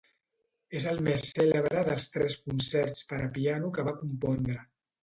És el més cèlebre dels tres concerts per a piano que va compondre.